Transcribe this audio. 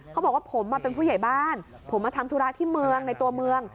เขาบอกว่าผมมาเป็นผู้ใหญ่บ้านผมมาทำธุระที่เมืองในตัวเมือง